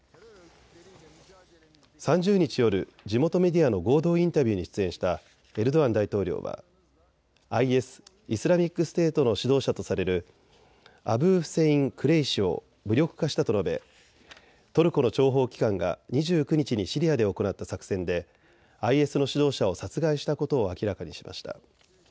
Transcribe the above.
３０日夜、地元メディアの合同インタビューに出演したエルドアン大統領は、ＩＳ・イスラミックステートの指導者とされるアブーフセイン・クレイシを無力化したと述べ、トルコの諜報機関が２９日にシリアで行った作戦でＩＳの指導者を殺害したことを明らかにしました。